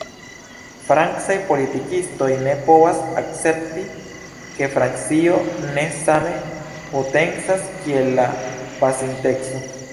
Francaj politikistoj ne povas akcepti, ke Francio ne same potencas kiel en la pasinteco.